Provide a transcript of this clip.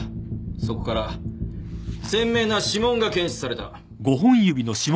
そこから鮮明な指紋が検出された。